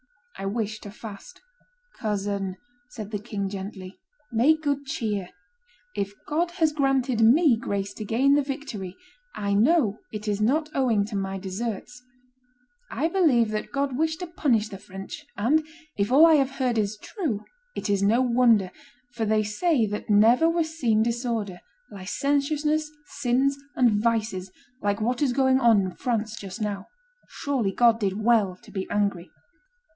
"I wish to fast." "Cousin," said the king, gently, "make good cheer: if God has granted me grace to gain the victory, I know it is not owing to my deserts; I believe that God wished to punish the French; and, if all I have heard is true, it is no wonder, for they say that never were seen disorder, licentiousness, sins, and vices like what is going on in France just now. Surely, God did well to be angry."